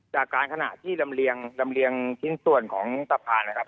จากการขนาดที่ลำเรียงลำเรียงชิ้นส่วนของตรับผ่านนะครับ